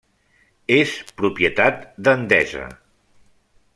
És propietat d'Endesa.